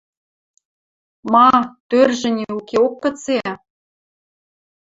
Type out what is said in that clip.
Ма, тӧржӹ ӹне укеок гыце?